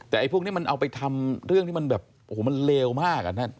แต่ไอ้พวกนี้มันเอาไปทำเรื่องที่มันแบบโอ้โหมันเลวมากอะนะ